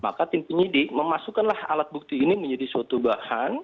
maka tim penyidik memasukkanlah alat bukti ini menjadi suatu bahan